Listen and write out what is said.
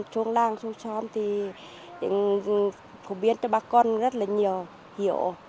chúng đang xuống xóm thì phổ biến cho bà con rất là nhiều hiểu